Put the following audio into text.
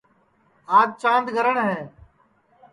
آج چاند گرہٹؔ ہے